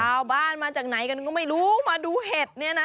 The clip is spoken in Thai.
ชาวบ้านมาจากไหนกันก็ไม่รู้มาดูเห็ดนี่นะ